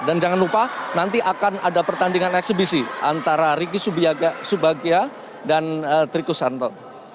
dan jangan lupa nanti akan ada pertandingan eksebisi antara ricky subiaga subagia dan trikush santon